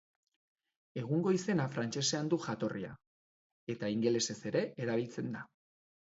Egungo izena frantsesean du jatorria eta ingelesez ere erabiltzen da.